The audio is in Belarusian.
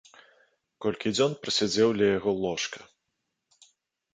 Колькі дзён прасядзеў ля яго ложка!